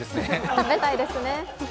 食べたいですね。